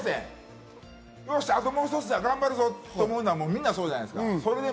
よっしゃ、あともう一つ頑張るぞというのがみんな一緒じゃないですか。